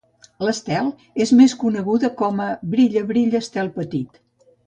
"L'Estel" és més coneguda com a "Brilla Brilla Estel Petit".